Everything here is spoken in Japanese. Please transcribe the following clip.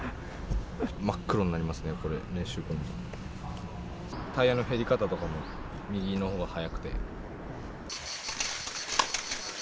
真っ黒になりますね、これ、練習後には。タイヤの減り方とかも右のほうが早くて。